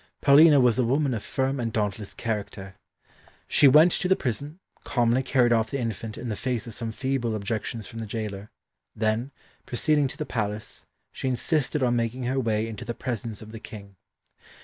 Paulina was a woman of firm and dauntless character. She went to the prison, calmly carried off the infant in the face of some feeble objections from the gaoler, then, proceeding to the palace, she insisted on making her way into the presence of the King.